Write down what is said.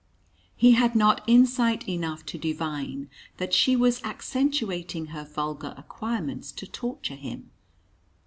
He had not insight enough to divine that she was accentuating her vulgar acquirements to torture him.